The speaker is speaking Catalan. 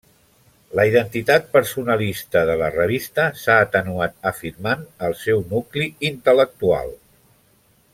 La identitat personalista de la revista s'ha atenuat afirmant el seu nucli intel·lectual.